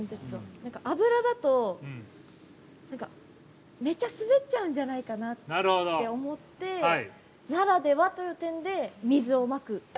なんか、油だとめっちゃ滑っちゃうんじゃないかなって思ってならではという点で、水をまく。